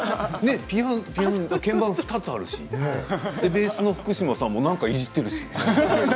ピアノ、鍵盤２つがあるしベースの福島さんも何かいじってるし。